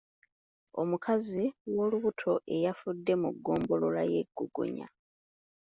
Omukazi w’olubuto eyafudde mu ggombolola y’e Gogonyo.